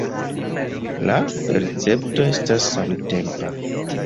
La percepto estas samtempa.